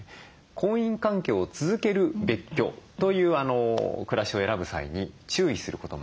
婚姻関係を続ける別居という暮らしを選ぶ際に注意することもあります。